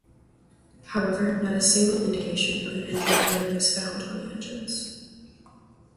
However, not a single indication of an engine failure was found on the engines.